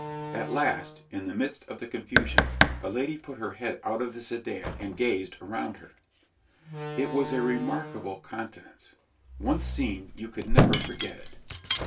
At last, in the midst of the confusion, a lady put her head out of the sedan and gazed around her. It was a remarkable countenance; once seen, you could never forget it.